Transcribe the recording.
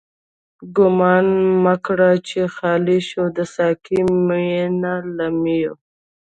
گومان مکړه چی خالی شوه، د ساقی مینا له میو